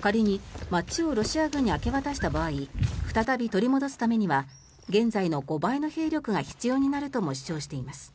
仮に街をロシア軍に明け渡した場合再び取り戻すためには現在の５倍の兵力が必要になるとも主張しています。